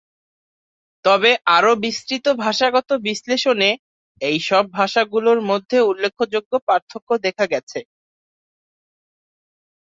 তবে আরও বিস্তৃত ভাষাগত বিশ্লেষণে এই সব ভাষাগুলোর মধ্যে উল্লেখযোগ্য পার্থক্য দেখা গেছে।